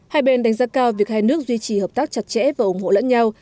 hai bên đánh giá cao việc hai nước duy trì hợp tác chặt chẽ và ủng hộ lẫn nhau